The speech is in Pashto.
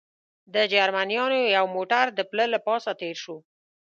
د جرمنیانو یو موټر د پله له پاسه تېر شو.